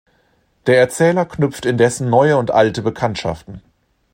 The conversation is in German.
Der Erzähler knüpft indessen neue und alte Bekanntschaften.